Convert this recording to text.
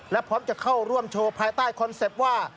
และพร้อมจะเข้าร่วมโชว์ภายใต้คอนเซ็ปต์ว่า